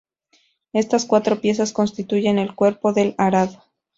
Estas cuatro piezas constituyen el cuerpo del arado.